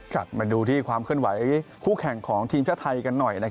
มาดูที่ความเคลื่อนไหวคู่แข่งของทีมชาติไทยกันหน่อย